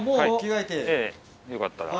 よかったら。